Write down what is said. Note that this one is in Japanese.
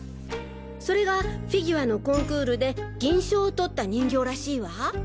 それがフィギュアのコンクールで銀賞を取った人形らしいわ！